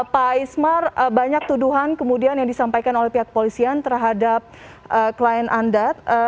pak ismar banyak tuduhan kemudian yang disampaikan oleh pihak polisian terhadap klien anda